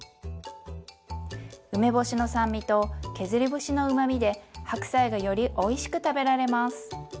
梅干しの酸味と削り節のうまみで白菜がよりおいしく食べられます。